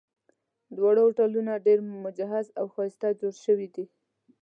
دواړه هوټلونه ډېر مجهز او ښایسته جوړ شوي دي.